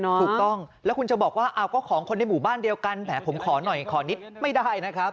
ถูกต้องแล้วคุณจะบอกว่าก็ของคนในหมู่บ้านเดียวกันแหมผมขอหน่อยขอนิดไม่ได้นะครับ